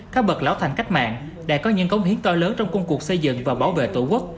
các bậc lão thành cách mạng đã có những công hiến to lớn trong công cuộc xây dựng và bảo vệ tổ quốc